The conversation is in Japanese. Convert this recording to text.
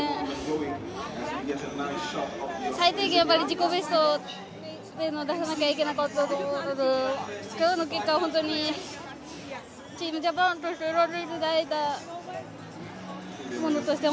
最低限、自己ベストを出さなきゃいけなかったと思うので今日の結果は本当にチームジャパンとして